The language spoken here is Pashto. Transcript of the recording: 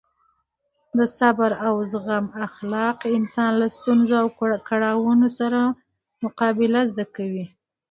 د صبر او زغم اخلاق انسان له ستونزو او کړاوونو سره مقابله زده کوي.